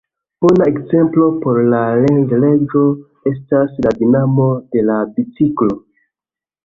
Bona ekzemplo por la Lenz-leĝo estas la dinamo de la biciklo.